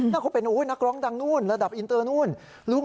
ถ้าเขาเป็นนักร้องดังนู่นระดับอินเตอร์นู่น